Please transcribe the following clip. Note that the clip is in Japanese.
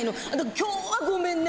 今日はごめんね。